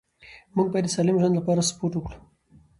موږ باید د سالم ژوند لپاره سپورت وکړو